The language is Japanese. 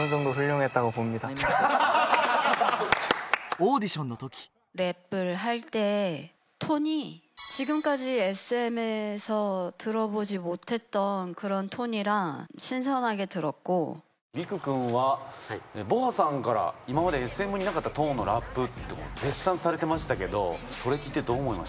オーディションの時リク君はＢｏＡさんから今までＳＭになかったトーンのラップって絶賛されてましたけどそれ聞いてどう思いました？